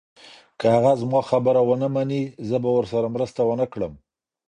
که هغه زما خبره ونه مني، زه به ورسره مرسته ونه کړم.